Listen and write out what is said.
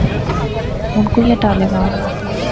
ہن کوئیاں ٹالے وہا